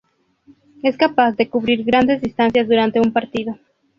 Es capaz de cubrir grandes distancias durante un partido.